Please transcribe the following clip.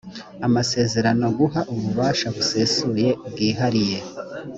amasezerano guha ububasha busesuye bwihariye